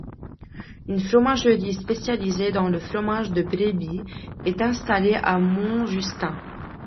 Une fromagerie, spécialisée dans le fromage de brebis, est installée à Montjustin.